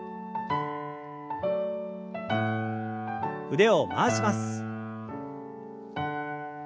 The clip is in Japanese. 腕を回します。